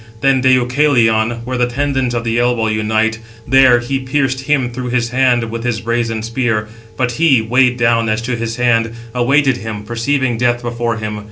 Then Deucalion, where the tendons of the elbow unite, there he pierced him through his hand with his brazen spear; but he, weighed down as to his hand, awaited him, perceiving death before him.